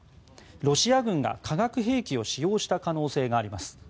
ロシア軍が化学兵器を使用した可能性があります。